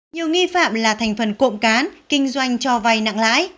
nhiều nghi phạm là thành phần cộng cán kinh doanh cho vay nặng lãi